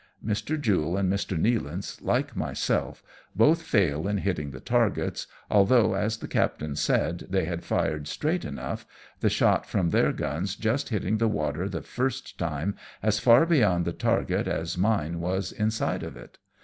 Mr. Jule and Mr. Nealance, like myself, both fail in hitting the targets, although, as the captain said, they had fired straight enough, the shot from their guns just hitting the water the first time as far beyond the target as mine was inside of it.